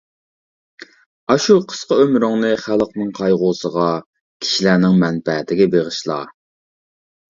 ئاشۇ قىسقا ئۆمرۈڭنى خەلقنىڭ قايغۇسىغا، كىشىلەرنىڭ مەنپەئەتىگە بېغىشلا.